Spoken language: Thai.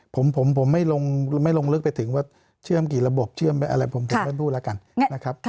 ผมไม่ลงลึกไปถึงว่าเชื่อมกี่ระบบเชื่อมอะไรผมไม่พูดแล้วกันนะครับ